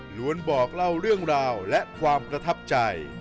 ล้วนบอกเล่าเรื่องราวและความประทับใจ